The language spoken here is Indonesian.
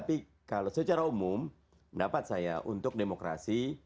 tapi kalau secara umum pendapat saya untuk demokrasi